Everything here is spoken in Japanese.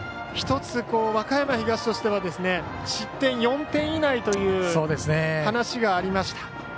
１つ和歌山東としては失点４点以内という話がありました。